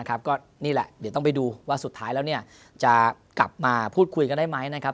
ก็นี่แหละเดี๋ยวต้องไปดูว่าสุดท้ายแล้วจะกลับมาพูดคุยกันได้ไหมนะครับ